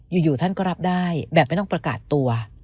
อยู่ท่านก็รับได้แบบไม่ต้องประกาศตัว